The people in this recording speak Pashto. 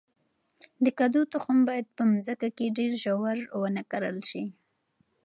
د کدو تخم باید په مځکه کې ډیر ژور ونه کرل شي.